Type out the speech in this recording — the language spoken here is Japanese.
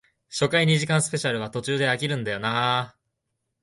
初回二時間スペシャルは途中で飽きるんだよなあ